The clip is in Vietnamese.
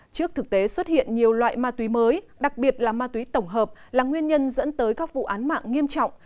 trước thực tế xuất hiện nhiều loại ma túy mới đặc biệt là ma túy tổng hợp là nguyên nhân dẫn tới các vụ án mạng nghiêm trọng